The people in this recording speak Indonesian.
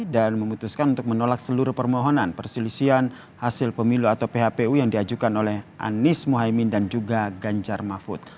dan memutuskan untuk menolak seluruh permohonan perselisihan hasil pemilu atau phpu yang diajukan oleh anies muhaymin dan juga ganjar mahfud